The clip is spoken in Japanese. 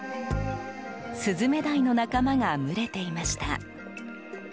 スズメダイの仲間が群れていました。